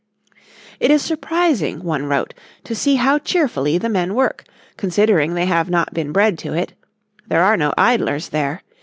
"It is surprising," one wrote, "to see how cheerfully the men work, considering they have not been bred to it. There are no idlers there.